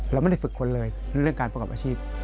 เราไม่ได้ฝึกคนเลยเรื่องการประกอบอาชีพ